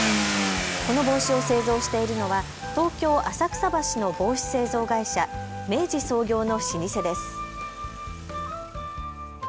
この帽子を製造しているのは東京浅草橋の帽子製造会社、明治創業の老舗です。